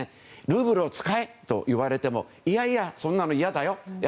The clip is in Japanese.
ルーブルを使えといわれてもいやいや、そんなの嫌だよと。